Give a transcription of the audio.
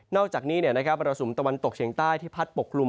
อกจากนี้มรสุมตะวันตกเฉียงใต้ที่พัดปกกลุ่ม